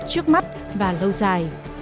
trước mắt và lâu dài